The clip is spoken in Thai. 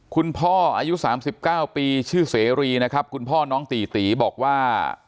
คุณพ่ออายุ๓๙ปีชื่อเสรีนะครับคุณพ่อน้องตีตีบอกว่า